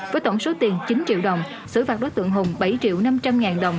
với tổng số tiền chín triệu đồng xử phạt đối tượng hùng bảy triệu năm trăm linh ngàn đồng